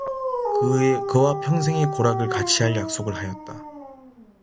그와 평생의 고락을 같이 할 약속을 하였다.